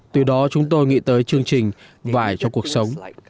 từ đó chúng tôi nghĩ tới chương trình vải cho cuộc sống